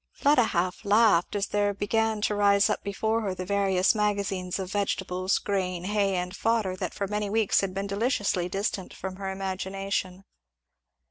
Fleda half laughed, as there began to rise up before her the various magazines of vegetables, grain, hay, and fodder, that for many weeks had been deliciously distant from her imagination.